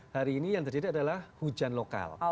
hari ini yang terjadi adalah hujan lokal